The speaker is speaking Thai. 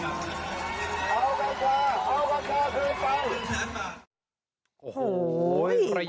เอากันจ้ะเอากันจ้าศุลยนต์ไปนึงแสนบาท